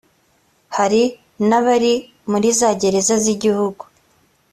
hari nabari muri za gereza z’ igihugu .